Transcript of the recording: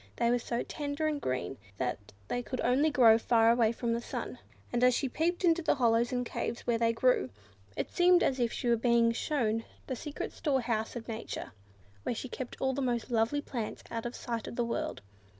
They were so tender and green that they could only grow far away from the sun, and as she peeped into the hollows and caves where they grew, it seemed as if she was being shown the secret store house of Nature, where she kept all the most lovely plants, out of sight of the world.